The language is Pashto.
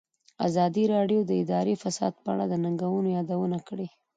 ازادي راډیو د اداري فساد په اړه د ننګونو یادونه کړې.